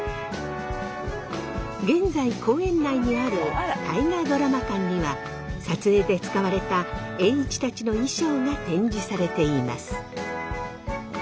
現在公園内にある大河ドラマ館には撮影で使われた栄一たちの衣装が展示されています。